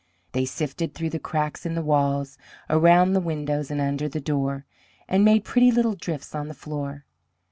They sifted through the cracks in the walls, around the windows, and under the door, and made pretty little drifts on the floor.